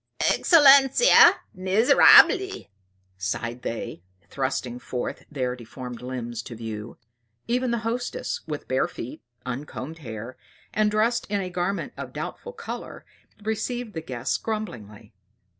"Excellenza, miserabili!" sighed they, thrusting forth their deformed limbs to view. Even the hostess, with bare feet, uncombed hair, and dressed in a garment of doubtful color, received the guests grumblingly.